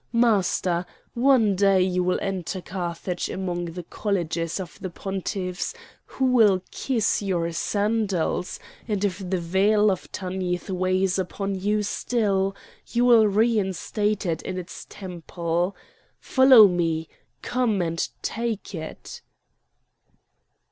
Master, one day you will enter Carthage among the colleges of the pontiffs, who will kiss your sandals; and if the veil of Tanith weighs upon you still, you will reinstate it in its temple. Follow me! come and take it."